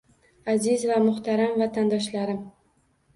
Aziz va muhtaram vatandoshlarim!